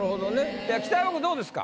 北山くんどうですか？